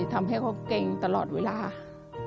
ทำงานชื่อนางหยาดฝนภูมิสุขอายุ๕๔ปี